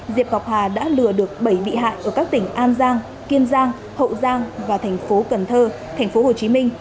diệp ngọc hà đã lừa được bảy bị hại ở các tỉnh an giang kiên giang hậu giang và thành phố cần thơ thành phố hồ chí minh